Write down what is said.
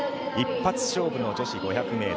一発勝負の女子５００ｍ。